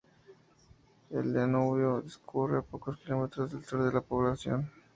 El Danubio discurre a pocos kilómetros al sur de la población.